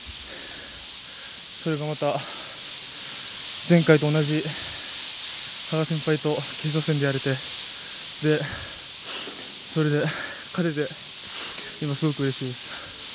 それがまた、前回と同じ羽賀先輩と決勝戦でやれてそれで勝てて今、すごくうれしいです。